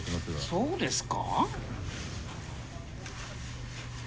そうですか？